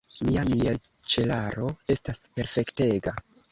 Mia mielĉelaro estas perfektega.